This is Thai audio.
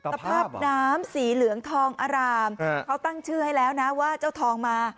สภาพน้ำสีเหลืองทองอารามเขาตั้งชื่อให้แล้วนะว่าเจ้าทองมา